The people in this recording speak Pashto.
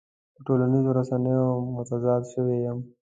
په ټولنيزو رسنيو معتاد شوی يم.